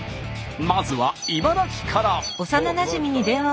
まずは茨城から。